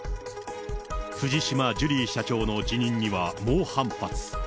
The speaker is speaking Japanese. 藤島ジュリー社長の辞任には猛反発。